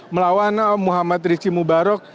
melawan muhammad rizky mubarok